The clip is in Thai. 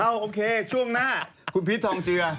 เอาโอเคช่วงหน้าคุณผิดทองเจือ